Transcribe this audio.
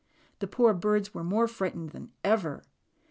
The poor birds were more fright ened than ever.